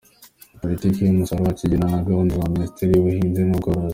Politiki yacu y’umusaruro igendana na gahunda za Minisiteri y’ubuhinzi n’ubworozi.